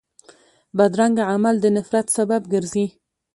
بدرنګه عمل د نفرت سبب ګرځي